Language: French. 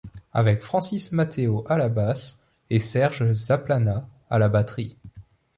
Avec Francis Matéo à la basse et Serge Zaplana à la batterie.